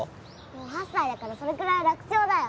もう８歳だからそれくらい楽勝だよ